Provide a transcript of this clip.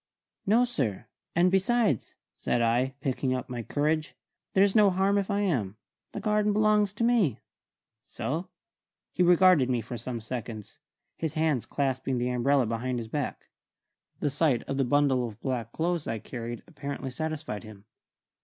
"No, sir; and besides," said I, picking up my courage, "there's no harm if I am. The garden belongs to me." "So?" He regarded me for some seconds, his hands clasping the umbrella behind his back. The sight of the bundle of black clothes I carried apparently satisfied him.